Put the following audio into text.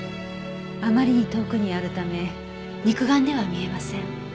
あまりに遠くにあるため肉眼では見えません。